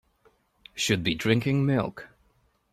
Should be drinking milk.